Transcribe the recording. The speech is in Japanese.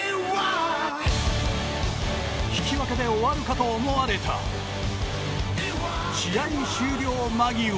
引き分けで終わるかと思われた試合終了間際。